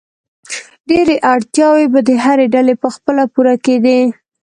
ډېری اړتیاوې به د هرې ډلې په خپله پوره کېدې.